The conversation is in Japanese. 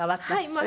はい。